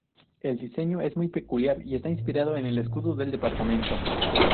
El diseño es muy peculiar, y está inspirado en el escudo del departamento.